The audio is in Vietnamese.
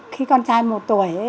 khi con trai một tuổi